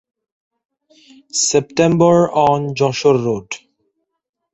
September on Jessore road